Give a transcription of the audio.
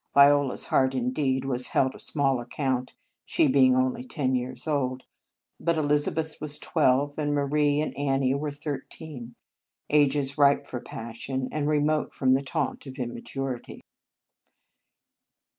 Viola s heart, indeed, was held of small account, she being only ten years old; but Elizabeth was twelve, and Marie and Annie were thirteen, 7 In Our Convent Days ages ripe for passion, and remote from the taunt of immaturity.